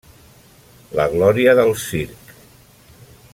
La glòria del circ.